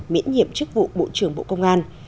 miễn nhiệm chức vụ bộ trưởng bộ công an